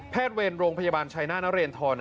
เวรโรงพยาบาลชัยหน้านเรนทร